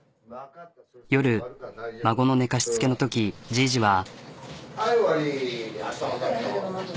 夜孫の寝かしつけのときじいじは。